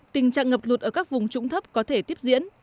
tình trạng ngập lụt ở các vùng trũng thấp có thể là một trong những tình trạng